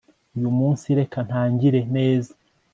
uyu munsi reka ntangire neza